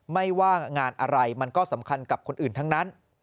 ไม่ว่างานอะไรมันก็สำคัญกับคนอื่นทั้งนั้น